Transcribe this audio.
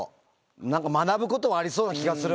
なんか学ぶことはありそうな気がする。